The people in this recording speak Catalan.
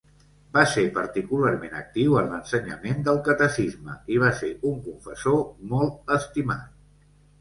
Va ser particularment actiu en l'ensenyament del catecisme i va ser un confessor molt estimat.